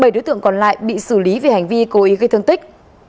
bảy đối tượng còn lại bị xử lý vì hành vi cố ý gây thương tích